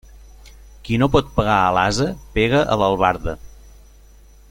Qui no pot pegar a l'ase pega a l'albarda.